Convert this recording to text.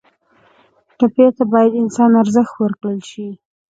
ټپي ته باید د انسان ارزښت ورکړل شي.